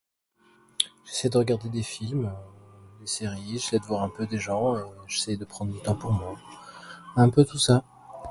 je regarde des films